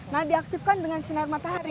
nah diaktifkan dengan sinar matahari